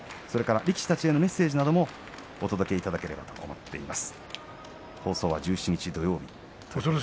力士たちへのメッセージもお届けいただければと思います。